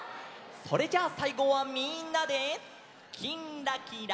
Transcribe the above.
それじゃあさいごはみんなで「きんらきら」。